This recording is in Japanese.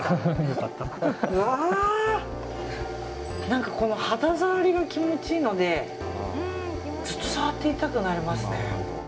何か、この肌触りが気持ちいいのでずっと触っていたくなりますね。